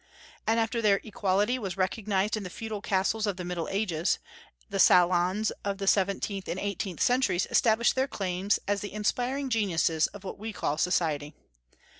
And after their equality was recognized in the feudal castles of the Middle Ages, the salons of the seventeenth and eighteenth centuries established their claims as the inspiring geniuses of what we call society.